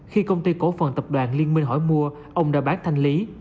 khi công ty cổ phần tập đoàn liên minh hỏi mua ông đã bán thanh lý